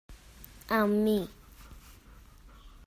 Amb mi.